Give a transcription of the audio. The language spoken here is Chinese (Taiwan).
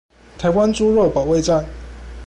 台灣豬肉保衛戰